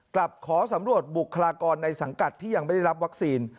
กลับขอสำรวจบุคลากรในสังกัดที่ยังไม่ได้รับวัคซีน